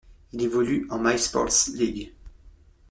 Il évolue en MySports League.